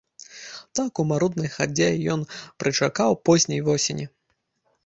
Так, у маруднай хадзе, ён прычакаў позняй восені.